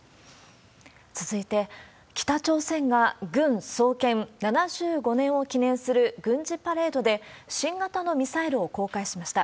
続いて、北朝鮮が軍創建７５年を記念する軍事パレードで、新型のミサイルを公開しました。